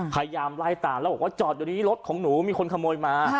พยายามไล่ตามแล้วบอกว่าจอดอยู่ดีรถของหนูมีคนขโมยมา